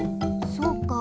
そうか。